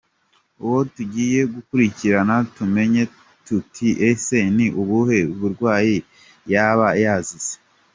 Ubwo tugiye gukurikirana tumenye tuti ese ni ubuhe burwayi yaba yazize.